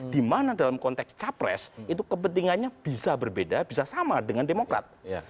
dimana dalam konteks capres itu kepentingannya bisa berbeda bisa sama dengan demokrat